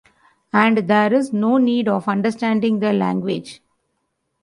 And there is no need of understanding the language.